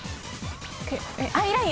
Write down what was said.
アイライン！